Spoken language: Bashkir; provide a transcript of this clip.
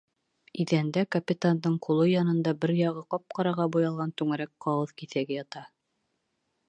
Иҙәндә, капитандың ҡулы янында бер яғы ҡап-ҡараға буялған түңәрәк ҡағыҙ киҫәге ята.